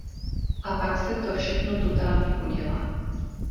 A pak se to všechno totálně podělá.